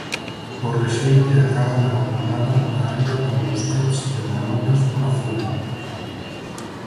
O rexeite acaba na balconada da área con Busquets de manobras pola zona.